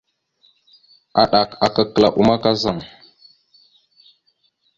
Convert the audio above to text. Aɗak aka kəla uma.